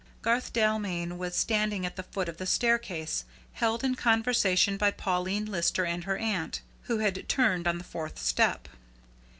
Garth Dalmain was standing at the foot of the staircase, held in conversation by Pauline Lister and her aunt, who had turned on the fourth step.